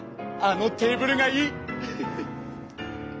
あのテーブルがいい！